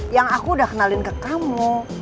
yang aku udah kenalin ke kamu